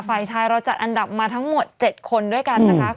ฝ่ายชายเราจัดอันดับมาทั้งหมด๗คนด้วยกันนะคะ